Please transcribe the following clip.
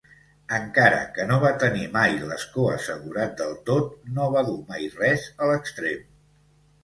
Encara que no va tenir mai l'escó assegurat del tot, no va dur mai res a l'extrem.